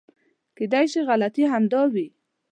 کېدای شي غلطي همدا وي .